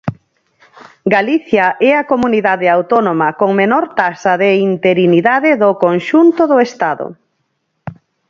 Galicia é a comunidade autónoma con menor taxa de interinidade do conxunto do Estado.